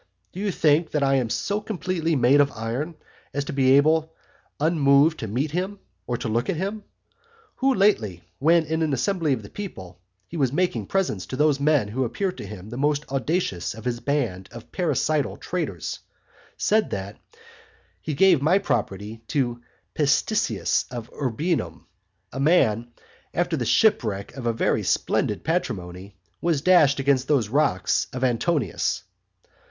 Do you think that I am so completely made of iron as to be able unmoved to meet him, or look at him? who lately, when in an assembly of the people he was making presents to those men who appeared to him the most audacious of his band of parricidal traitors, said that he gave my property to Petissius of Urbinum, a man who, after the shipwreck of a very splendid patrimony, was dashed against these rocks of Antonius.